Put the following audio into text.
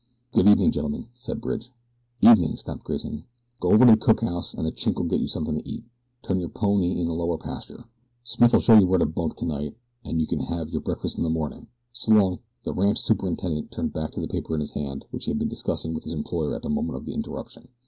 "Good evening, gentlemen," said Bridge. "Evenin'," snapped Grayson. "Go over to the cookhouse and the Chink'll give you something to eat. Turn your pony in the lower pasture. Smith'll show you where to bunk tonight, an' you kin hev your breakfast in the mornin'. S'long!" The ranch superintendent turned back to the paper in his hand which he had been discussing with his employer at the moment of the interruption.